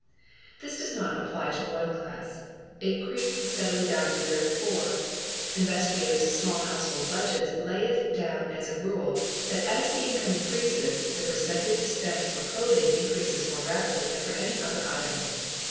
This does not apply to one class, it creeps steadily down to the very poor. Investigators of small household budgets lay it down as a rule that as the income increases the percentage spent for clothing increases more rapidly than for any other item.